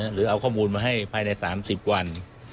หรือเอาข้อมูลมาให้ภายใน๓๐วัน